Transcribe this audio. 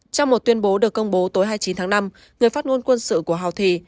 trong một tuyên bố được công bố tối hai mươi chín tháng năm người phát ngôn quân sự của houthi